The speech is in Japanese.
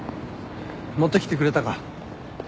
持ってきてくれたか？